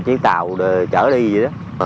chỉ tàu chở đi vậy đó